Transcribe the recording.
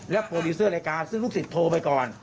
โปรดิวเซอร์รายการซึ่งลูกศิษย์โทรไปก่อน